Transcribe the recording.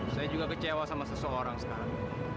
saya juga kecewa sama seseorang sekarang